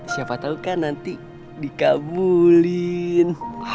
siapa tahu kan nanti dikabulin